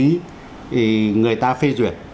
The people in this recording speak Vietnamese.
thì người ta phê duyệt